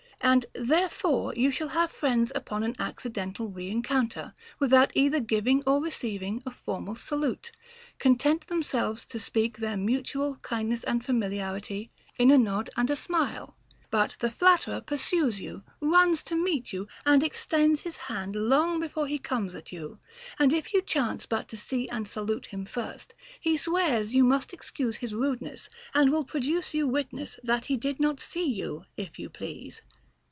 * And therefore you shall have friends upon an accidental rencounter, without either giving or receiving a formal salute, content themselves to speak their mutual kindness and familiarity in a nod and a smile ; but the flatterer pursues you, runs to meet you, and extends his hand long before he comes at you ; and if you chance but to see and salute him first, he swears you must excuse his rudeness, and will produce you witness that he did not see you, if you please.